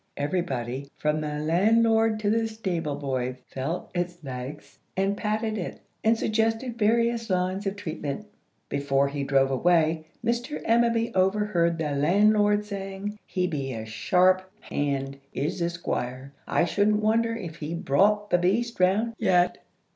Everybody, from the landlord to the stable boy, felt its legs, and patted it, and suggested various lines of treatment. Before he drove away, Mr. Ammaby overheard the landlord saying, "He be a sharp hand, is the Squire. I shouldn't wonder if he brought the beast round yet."